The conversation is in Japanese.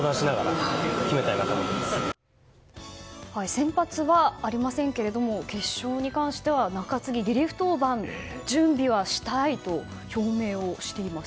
先発はありませんけど決勝に関しては中継ぎ、リリーフ登板準備はしたいと表明しています。